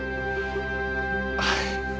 はい。